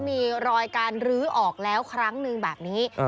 มีรอยการลื้อออกแล้วครั้งนึงแบบนี้